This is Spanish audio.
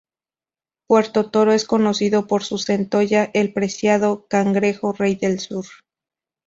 Puerto Toro es conocido por su centolla, el preciado "cangrejo rey del sur".